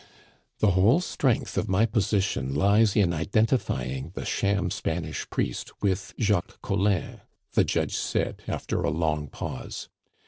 "The whole strength of my position lies in identifying the sham Spanish priest with Jacques Collin," the judge said, after a long pause.